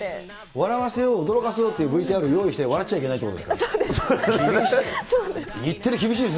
笑わせよう、驚かせようっていうＶＴＲ用意して、笑っちゃいけないってことでそうです。